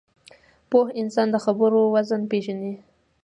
پوه انسان د خبرو وزن پېژني